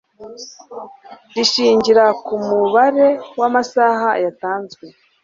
rishingira ku mubare w'amasaha yatanzwe